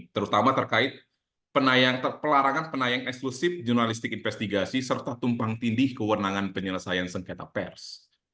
terutama terkait pelarangan penayang eksklusif jurnalistik investigasi serta tumpang tindih kewenangan penyelesaian sengketa pers